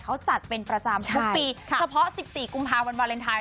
เขาจัดเป็นประจำทุกปีเฉพาะ๑๔กุมภาวันวาเลนไทย